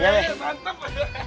ya udah mantep